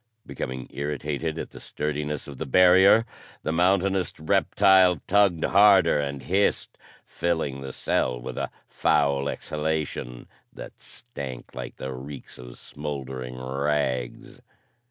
Becoming irritated at the sturdiness of the barrier, the mountainous reptile tugged harder and hissed, filling the cell with a foul exhalation that stank like the reeks of smoldering rags.